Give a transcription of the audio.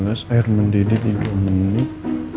air mendidih tiga menit